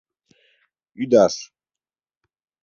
— Ӱдаш.